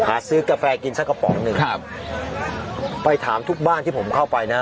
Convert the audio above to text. ซื้อกาแฟกินสักกระป๋องหนึ่งครับไปถามทุกบ้านที่ผมเข้าไปนะฮะ